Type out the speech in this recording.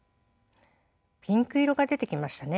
ピンク色が出てきましたね。